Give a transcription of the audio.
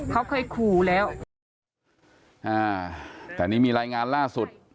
เขาเคยขู่แล้วอ่าแต่นี่มีรายงานล่าสุด